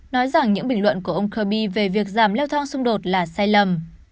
nói rằng những bình luận của ông kirby về việc giảm leo thang xung đột là sai lầm